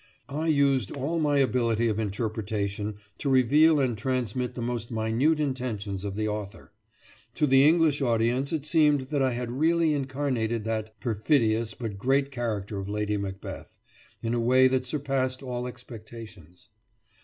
I used all my ability of interpretation to reveal and transmit the most minute intentions of the author. To the English audience it seemed that I had really incarnated that perfidious but great character of Lady Macbeth, in a way that surpassed all expectations.